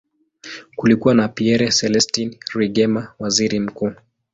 Kulikuwa na Pierre Celestin Rwigema, waziri mkuu.